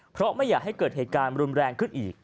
เพราะไม่อยากให้เกิดเหตุการณ์รุนแรงขึ้นอีก